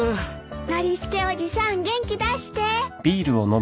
ノリスケおじさん元気出して。